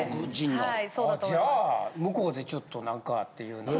じゃあ向こうでちょっと何かっていうのを。